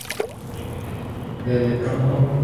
El sábado anterior se celebra la romería de San Jerónimo.